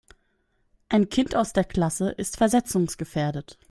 Ein Kind aus der Klasse ist versetzungsgefährdet.